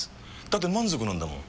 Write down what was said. だって満足なんだもん。